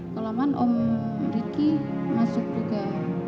kelaman om riki masuk juga